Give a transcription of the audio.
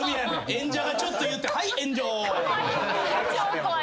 演者がちょっと言って「はい炎上！」怖い。